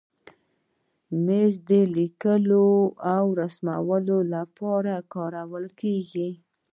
مېز د لیکلو او رسم لپاره کارېږي.